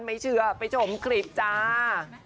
ไม่เชื่อไปชมคลิปจ้า